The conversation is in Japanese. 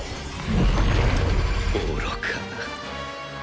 愚かな。